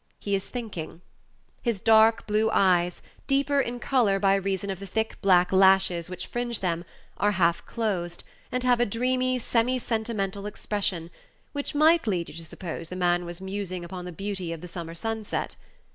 He is thinking. His dark blue eyes, deeper in color by reason of the thick black lashes which fringe them, are half closed, and have a dreamy, semi sentimental expression, which might lead you to suppose the man was musing upon the beauty of the summer sunset.